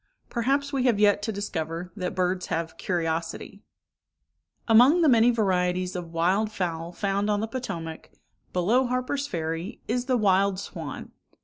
Perhaps we have yet to discover that birds have curiosity. Among the many varieties of wild fowl found on the Potomac, below Harper's Ferry, is the wild swan.